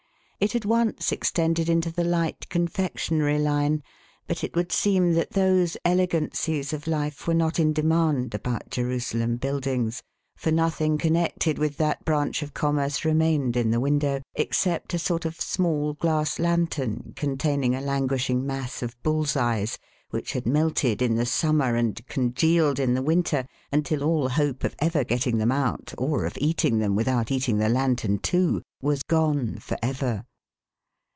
It had once extended into the light confectionery line; but it would seem that those elegancies of life were not in demand about Jerusalem Buildings, for nothing connected with that branch of com merce remained in the window, except a sort of small glass lantern containing a languishing mass of bull's eyes, which had melted in the summer and congealed in the winter until all hope of ever getting them out, or of eating them without eating the lantern too, was gone for ever.